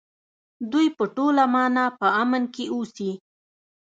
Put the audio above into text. دوی په ټوله مانا په امن کې اوسي.